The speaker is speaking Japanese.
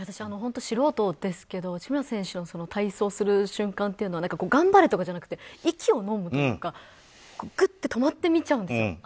私、素人ですけど内村選手が体操する瞬間っていうのは頑張れとかじゃなくて息をのむというかぐっと止まって見ちゃうんですよ